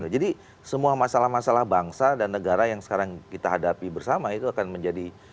jadi semua masalah masalah bangsa dan negara yang sekarang kita hadapi bersama itu akan menjadi